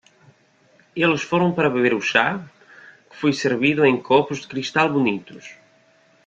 Eles foram para beber o chá? que foi servido em copos de cristal bonitos.